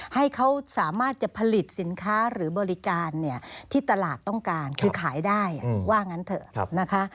ให้เขาสามารถจะผลิตสินค้าหรือบริการเนี่ยที่ตลาดต้องการคือขายได้ว่างั้นเถอะนะคะ